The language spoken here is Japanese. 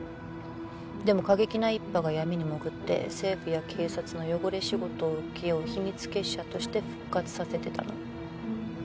でも過激な一派が闇に潜って政府や警察の汚れ仕事を請け負う秘密結社として復活させてたの。